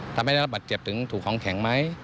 ทำให้ระบัดเจียบถูกของแข็งไหม